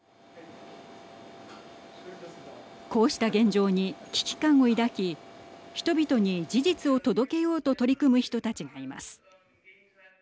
こうした現状に危機感を抱き人々に事実を届けようと取り組む人たちがいます。